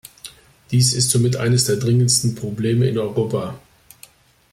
Dies ist somit eines der dringendsten Probleme in Europa.